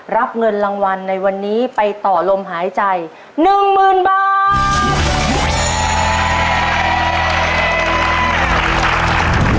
รับเงินรางวัลในวันนี้ไปต่อลมหายใจ๑๐๐๐บาท